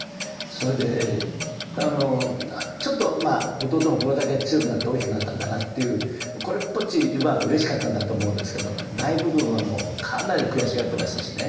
それでちょっとまあ弟もこれだけ強くなって大きくなったんだなっていうこれっぽっちはうれしかったんだと思うんですけど大部分はもうかなり悔しがっていましたしね。